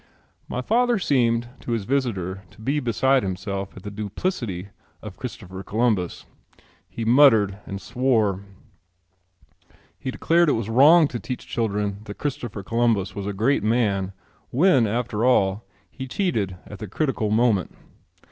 My father seemed to his visitor to be beside himself at the duplicity of Christopher Columbus. He muttered and swore. He declared it was wrong to teach children that Christopher Columbus was a great man when, after all, he cheated at the critical moment.